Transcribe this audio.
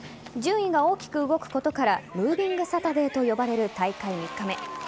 順位が大きく動くことからムービングサタデーと呼ばれる大会３日目。